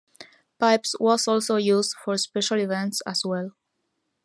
Pipes was also used for special events as well.